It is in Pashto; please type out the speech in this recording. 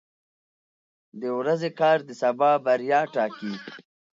• د ورځې کار د سبا بریا ټاکي.